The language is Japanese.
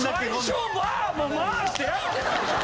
最初バーッ回してやってたでしょ！